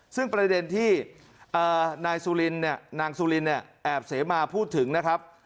ซึ่งประเด็นที่นางซูลินเนี่ยแอบเสมอพูดถึงนะครับ